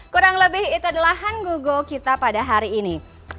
kurang lebih itu adalah hang go go kita pada hari ini